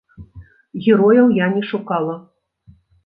Герояў я не шукала.